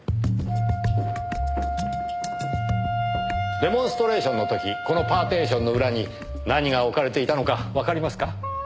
デモンストレーションの時このパーティションの裏に何が置かれていたのかわかりますか？